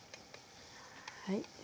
はい。